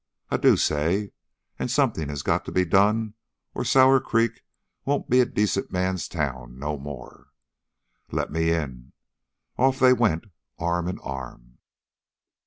"I do say. And something has got to be done, or Sour Creek won't be a decent man's town no more." "Let me in." Off they went arm in arm.